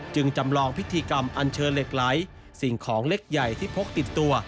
จำลองพิธีกรรมอันเชิญเหล็กไหลสิ่งของเล็กใหญ่ที่พกติดตัว